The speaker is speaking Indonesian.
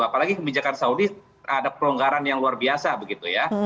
apalagi kebijakan saudi ada pelonggaran yang luar biasa begitu ya